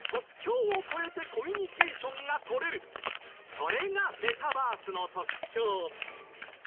それがメタバースの特徴。